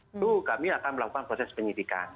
itu kami akan melakukan proses penyidikan